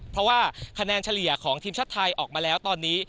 เพราะว่าคะแนนเฉลี่ยของทีมชาติไทยออกมาแล้วตอนนี้